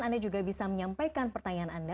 anda juga bisa menyampaikan pertanyaan anda